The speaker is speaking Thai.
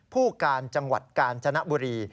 ผู้การจังหวัดกาญจนบุรี